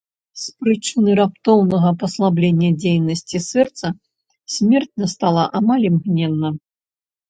З прычыны раптоўнага паслаблення дзейнасці сэрца смерць настала амаль імгненна.